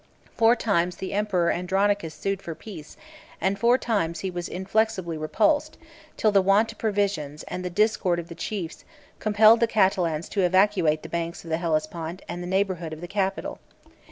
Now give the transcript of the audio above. Four times the emperor Andronicus sued for peace, and four times he was inflexibly repulsed, till the want of provisions, and the discord of the chiefs, compelled the Catalans to evacuate the banks of the Hellespont and the neighborhood of the capital.